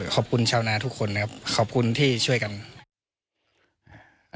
ขอบคุณชาวนาทุกคนนะครับขอบคุณที่ช่วยกัน